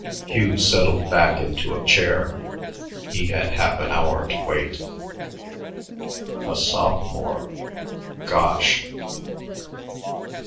Hugh settled back into a chair. He had half an hour to wait. "A sophomore.... Gosh!"